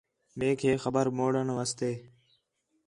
میک ہے خبر منݨی ویسے